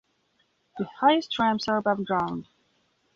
The highest ramps are above ground.